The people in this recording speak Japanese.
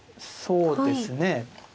そうですね。